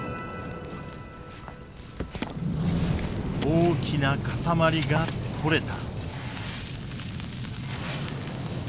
大きな塊が取れた。